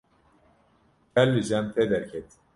ker li cem te derket.